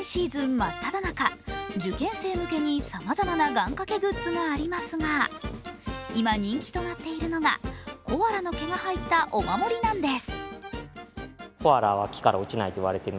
真っただ中、受験生向けにさまざまな願かけグッズがありますが、今、人気となっているのがコアラの毛が入ったお守りなんです。